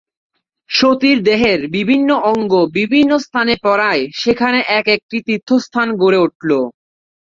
সতীর দেহের বিভিন্ন অঙ্গ বিভিন্ন স্থানে পড়ায় সেখানে এক-একটি তীর্থস্থান গড়ে উঠল।